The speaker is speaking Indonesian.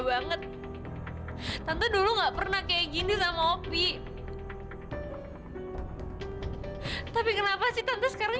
banget tante dulu nggak pernah kayak gini sama opi tapi kenapa sih tante sekarang